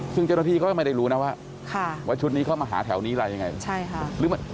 ซึ่งเจ้าหน้าที่ก็ไม่ได้รู้นะว่าชุดนี้เข้ามาหาแถวนี้อะไรยังไง